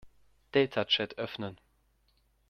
Deltachat öffnen.